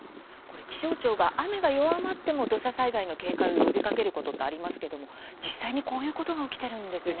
気象庁が雨が弱まっても土砂災害の警戒を呼びかけることってありますけど実際にこういうことが起きてるんですね。